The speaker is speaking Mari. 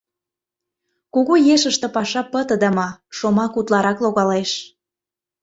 Кугу ешыште паша пытыдыме, шомак утларак логалеш.